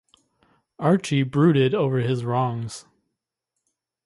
Archie brooded over his wrongs.